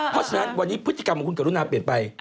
เพราะฉะนั้นวันนี้พฤติกรรมของคุณกรุณาเปลี่ยนไป